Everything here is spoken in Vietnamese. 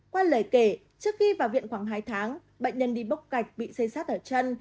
qua lời kể trước khi vào viện khoảng hai tháng bệnh nhân đi bóc gạch bị xây sát ở chân